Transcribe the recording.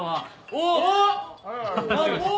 おっ！